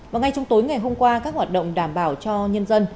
và ngay trong tối ngày hôm qua các hoạt động đảm bảo cho nhân dân